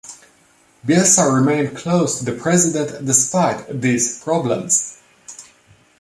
Bielsa remained close to the President despite these problems.